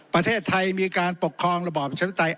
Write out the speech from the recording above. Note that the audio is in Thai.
ประเทศไทยมีการปกครองระบอบเชฟไตย